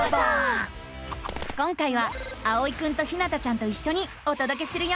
今回はあおいくんとひなたちゃんといっしょにおとどけするよ。